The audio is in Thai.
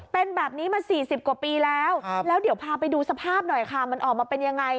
เป็นแบบนี้มา๔๐กว่าปีแล้วแล้วเดี๋ยวพาไปดูสภาพหน่อยค่ะมันออกมาเป็นยังไง